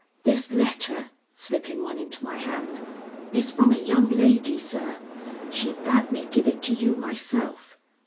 This letter," slipping one into my hand, "is from a young lady, sir. She bade me give it to you myself.